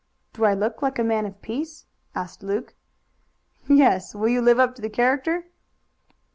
"Do I look like a man of peace?" asked Luke. "Yes; will you live up to the character?"